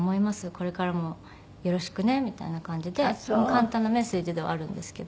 「これからもよろしくね」みたいな感じで簡単なメッセージではあるんですけど。